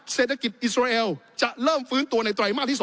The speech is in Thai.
เศรษฐกิจอิสราเอลจะเริ่มฟื้นตัวในไตรมาสที่๒